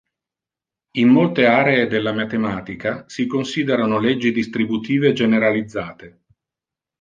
In molte aree della matematica si considerano leggi distributive generalizzate.